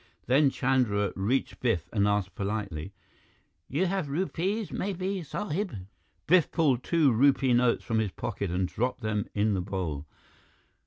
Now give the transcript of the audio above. Then Chandra reached Biff and asked politely, "You have rupees, maybe, sahib?" Biff pulled two rupee notes from his pocket and dropped them in the bowl.